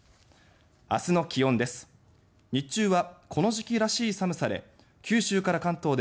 明日の気温です。